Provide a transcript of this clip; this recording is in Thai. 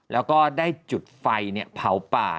แล้วก็ได้จุดไฟเผาป่า